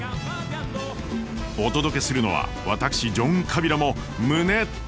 お届けするのは私ジョン・カビラも胸高鳴る